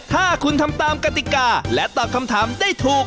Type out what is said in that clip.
ถ้าคุณทำตามกติกาและตอบคำถามได้ถูก